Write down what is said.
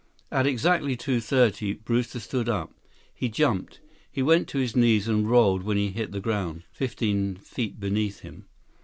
At exactly two thirty, Brewster stood up. He jumped. He went to his knees and rolled when he hit the ground, fifteen feet beneath him.